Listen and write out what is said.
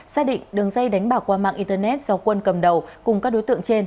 xác định đường dây đánh bạc qua mạng internet do quân cầm đầu cùng các đối tượng trên